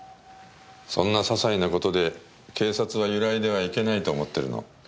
そんな些細な事で警察は揺らいではいけないと思ってるの。